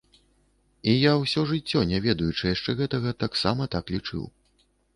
І я ўсё жыццё, не ведаючы яшчэ гэтага, таксама так лічыў.